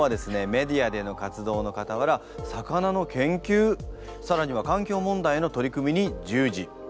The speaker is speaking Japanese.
メディアでの活動のかたわら魚の研究さらには環境問題への取り組みに従事。